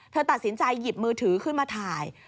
เธอตัดสินใจหยิบมือถือขึ้นมาถ่าย